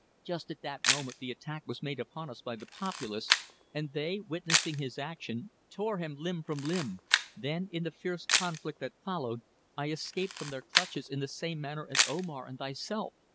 Just at that moment the attack was made upon us by the populace, and they, witnessing his action, tore him limb from limb. Then, in the fierce conflict that followed, I escaped from their clutches in the same manner as Omar and thyself.